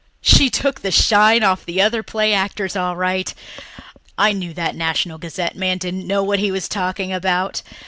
She took the shine off the other play actors all right. I knew that National Gazette man didn't know what he was talking about.